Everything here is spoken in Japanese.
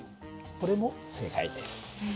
これも正解です。